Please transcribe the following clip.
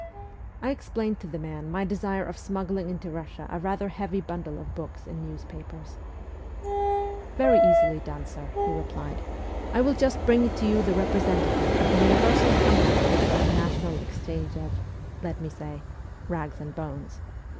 I explained to the man my desire of smuggling into Eussia a rather heavy bundle of books and newspapers. ' Very easily done, sir,' he replied. ' I will just bring to you the representative of the Universal Company for the International Exchange of (let me say) Bags and Bones.